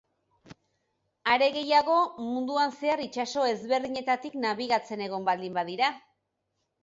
Are gehiago, munduan zehar itsaso ezberdinetatik nabigatzen egon baldin badira.